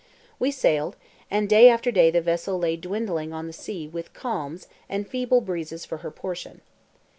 We sailed, and day after day the vessel lay dawdling on the sea with calms and feeble breezes for her portion.